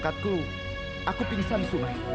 bahwa aku pingsan di sungai